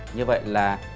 như vậy là